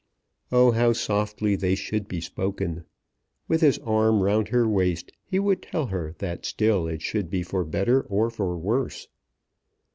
Oh how softly they should be spoken! With his arm round her waist he would tell her that still it should be for better or for worse.